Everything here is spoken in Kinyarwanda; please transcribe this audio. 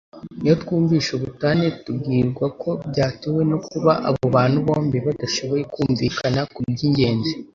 Iyo twumvise ubutane twibwira ko byatewe no kuba abo bantu bombi badashoboye kumvikana kubyingenzi